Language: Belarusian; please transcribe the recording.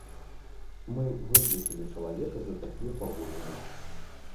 Мы выключылі чалавека за такія паводзіны.